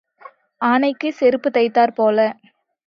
ஆனைக்குச் செருப்புத் தைத்தாற்போல.